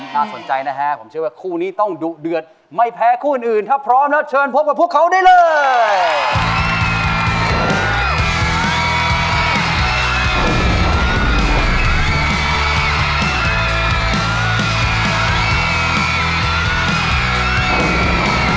น่าสนใจนะฮะผมเชื่อว่าคู่นี้ต้องดุเดือดไม่แพ้คู่อื่นถ้าพร้อมแล้วเชิญพบกับพวกเขาได้เลย